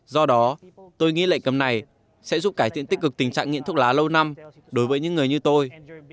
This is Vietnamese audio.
do đó tôi nghĩ lệnh cấm này sẽ giúp cải thiện tích cực tình trạng nghiện thuốc lá lâu năm đối với những người như tôi